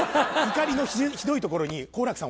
怒りのひどい所に好楽さん